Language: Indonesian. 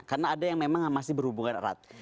karena ada yang memang masih berhubungan erat